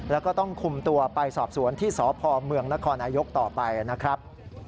แล้วก็ต้องคุมตัวไปสอบสวนที่สพเมืองนครนายกต่อไปนะครับ